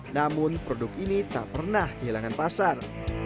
namun produk ini tak pernah kehilangan pasar